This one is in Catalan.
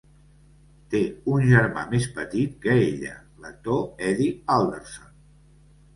Té un germà més petit que ella, l'actor Eddie Alderson.